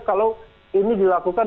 kalau ini dilakukan